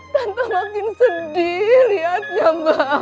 tanpa makin sedih lihatnya mbak